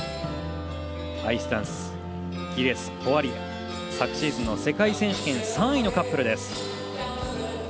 アイスダンス、ギレス、ポワリエ昨シーズンの世界選手権３位のカップルです。